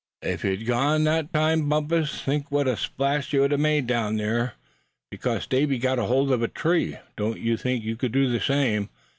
"If you'd gone that time, Bumpus, think what a splash you'd have made down there. Because Davy got hold of a tree don't think you could do the same.